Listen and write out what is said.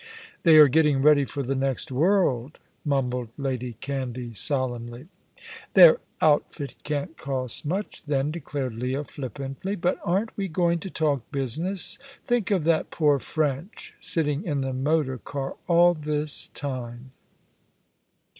"They are getting ready for the next world," mumbled Lady Canvey, solemnly. "Their outfit can't cost much, then," declared Leah, flippantly; "but aren't we going to talk business? Think of that poor French, sitting in the motor car all this time."